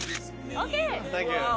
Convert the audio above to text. ＯＫ。